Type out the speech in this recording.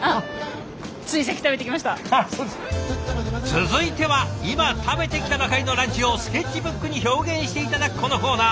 続いては今食べてきたばかりのランチをスケッチブックに表現して頂くこのコーナー。